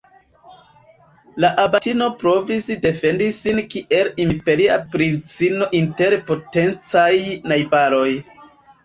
La abatino provis defendi sin kiel imperia princino inter potencaj najbaroj.